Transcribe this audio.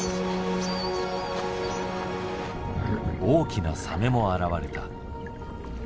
大きなサメも現れた。